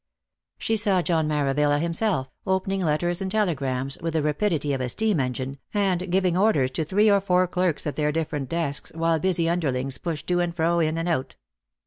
She saw John Maravilla himself, opening letters and tele grams with the rapidity of a steam engine, and giving orders to three or fonr clerks at their different desks, while busy un derlings pushed to and fro in and out.